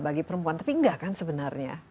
bagi perempuan tapi enggak kan sebenarnya